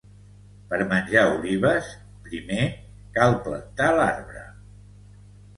Per menjar olives, primer cal plantar l'arbre.